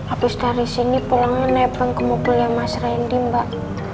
abis dari sini pulangnya nebeng kemukulnya mas randy mbak